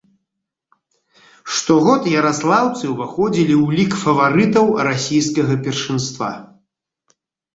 Штогод яраслаўцы ўваходзілі ў лік фаварытаў расійскага першынства.